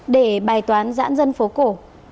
để bài toán giãn dân phố cổ